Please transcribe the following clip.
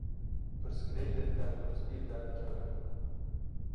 Pirsgirêkên tenduristiyê derdikevin.